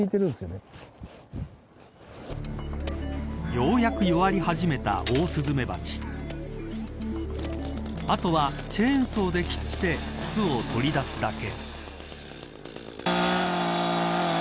ようやく弱り始めたオオスズメバチあとはチェーンソーで切って巣を取り出すだけ。